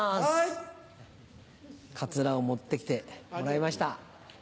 カツラを持って来てもらいました。